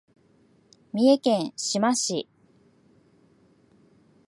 三重県志摩市